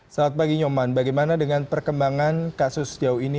selamat pagi nyoman bagaimana dengan perkembangan kasus jauh ini